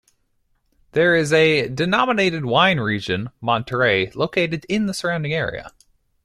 There is a denominated wine region-Monterrey-located in the surrounding area.